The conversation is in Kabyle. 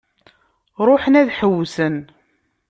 Ruḥen ad ḥewwsen.